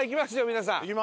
皆さん。